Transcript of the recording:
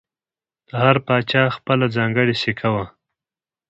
د هر پاچا خپله ځانګړې سکه وه